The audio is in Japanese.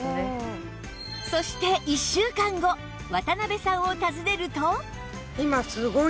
そして１週間後渡邉さんを訪ねると